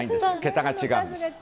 桁が違うんです。